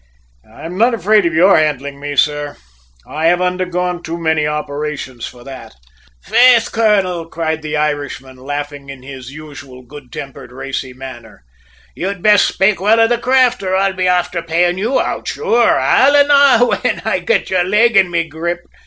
"I'm not afraid of your handling me, sir. I have undergone too many operations for that!" "Faith, colonel," cried the Irishman, laughing in his usual good tempered racy manner, "you'd best spake well of the craft or I'll be afther payin' you out, sure, alannah, whin I get your leg in me grip!